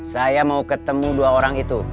saya mau ketemu dua orang itu